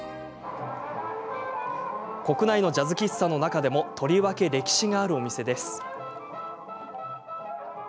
国内のジャズ喫茶の中でもとりわけ歴史があるお店です。